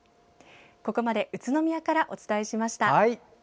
ここまで宇都宮からお伝えしました。